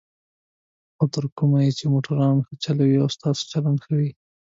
خو تر کومه چې موټران ښه چلوئ او ستاسو چلند ښه وي.